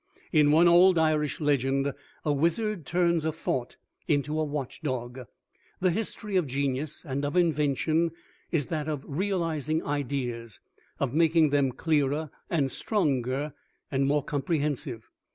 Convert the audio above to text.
In one old Irish legend a wizard turns a Thought into a watch dog. The history of genius and of Invention is that of realizing ideas, of making them clearer and stronger and more comprehensive.